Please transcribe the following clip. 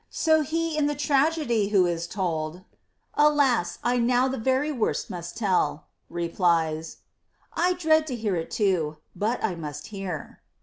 So he in the tragedy who is told, Alas ! I now the very worst must tell, replies, I dread to hear it too, but I must hear.